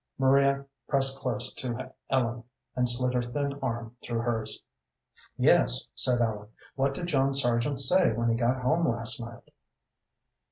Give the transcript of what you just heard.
Maria pressed close to Ellen, and slid her thin arm through hers. "Yes," said Ellen. "What did John Sargent say when he got home last night?"